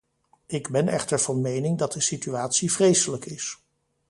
Ik ben echter van mening dat de situatie vreselijk is.